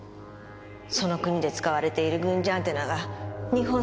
その国で使われている軍事アンテナが日本製だって。